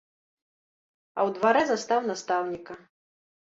А ў дварэ застаў настаўніка.